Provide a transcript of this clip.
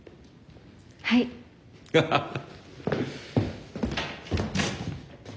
はい。ハハハ。